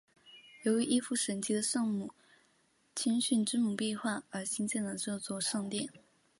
由于一幅神奇的圣母谦逊之母壁画而兴建了这座圣殿。